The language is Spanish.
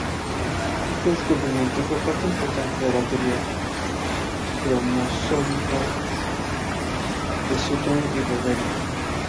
Este descubrimiento fue parte importante de la teoría cromosómica de Sutton y Boveri.